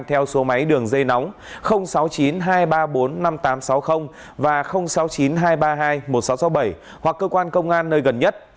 theo số máy đường dây nóng sáu mươi chín hai trăm ba mươi bốn năm nghìn tám trăm sáu mươi và sáu mươi chín hai trăm ba mươi hai một nghìn sáu trăm sáu mươi bảy hoặc cơ quan công an nơi gần nhất